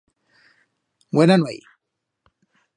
Buena nueit!